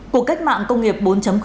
cuộc cách mạng công nghiệp bốn